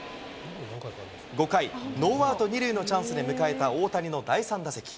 ５回、ノーアウト２塁のチャンスで迎えた大谷の第３打席。